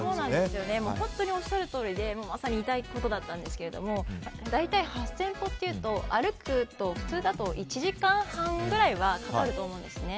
本当におっしゃるとおりでまさに言いたいことだったんですが大体８０００歩っていうと歩くと普通１時間半ぐらいはかかると思うんですね。